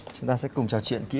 chúng ta sẽ cùng trò chuyện kỹ hơn